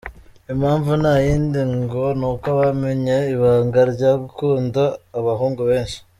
Impamvu nta yindi ngo nuko bamenye ibanga ryo gukunda abahungu benshi.